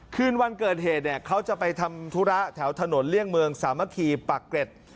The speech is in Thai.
คืนวันเกิดเหตุเนี่ยเขาจะไปทำธุระแถวถนนเลี่ยงเมืองสามัคคีปากเกร็ด